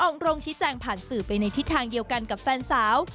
โรงชี้แจงผ่านสื่อไปในทิศทางเดียวกันกับแฟนสาว